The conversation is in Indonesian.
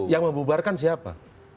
yang membubarkan siapa